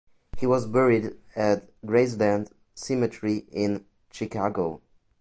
He was buried at Graceland Cemetery in Chicago.